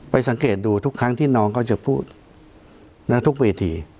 สังเกตดูทุกครั้งที่น้องเขาจะพูดทุกเวที